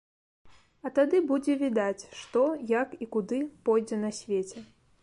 А тады будзе відаць, што як і куды пойдзе на свеце.